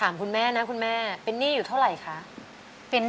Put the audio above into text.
แม่จำปังใจเลยนะ